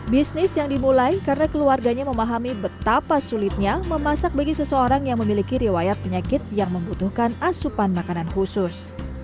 bisnis yang dimulai karena keluarganya memahami betapa sulitnya memasak bagi seseorang yang memiliki riwayat penyakit yang membutuhkan asupan makanan khusus